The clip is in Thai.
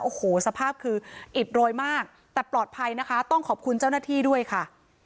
โอ้โหสภาพคืออิดโรยมากแต่ปลอดภัยนะคะต้องขอบคุณเจ้าหน้าที่ด้วยค่ะ